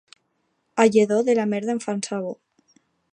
A Lledó, de la merda en fan sabó.